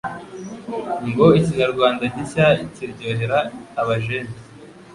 Ngo ikinyarwanda gishya kiryohera abajene